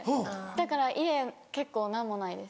だから家結構何もないです。